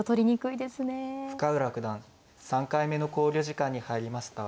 深浦九段３回目の考慮時間に入りました。